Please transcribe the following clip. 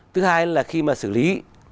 thứ hai là khi mà xử lý